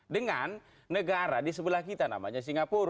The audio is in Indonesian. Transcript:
dengan negara di sebelah kita namanya singapura